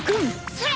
それ！